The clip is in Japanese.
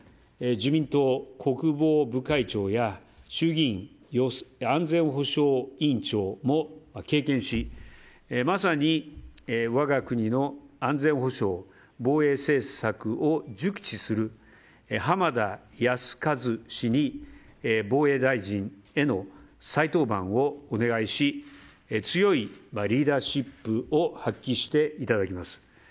自民党国防部会長や衆議院安全保障委員長も経験しまさに我が国の安全保障防衛政策を熟知する浜田靖一氏に防衛大臣への再登板をお願いし強いリーダーシップを発揮していただきます。